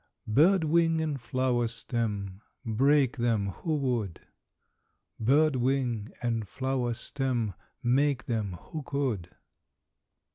Bird wing and flower stem, Break them who would? Bird wing and flower stem, Make them who could?